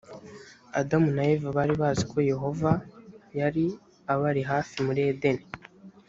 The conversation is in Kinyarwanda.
adamu na eva bari bazi ko yehova yari abarihafi muri edeni.